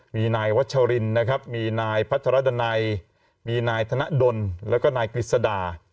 มีนายวัชรินนะครับมีนายพัทรดันัยมีนายธนดลแล้วก็นายกฤษดา